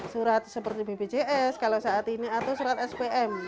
surat seperti bpjs kalau saat ini atau surat spm